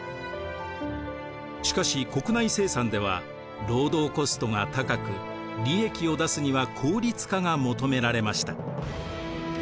しかし国内生産では労働コストが高く利益を出すには効率化が求められました。